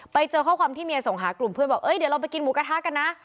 ไปเจอข้อความที่เมียส่งหากลุ่มเพื่อนบอกเดี๋ยวเราไปกินหมูกระทะกันนะ